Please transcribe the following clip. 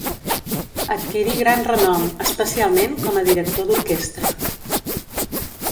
Adquirí gran renom, especialment com a director d'orquestra.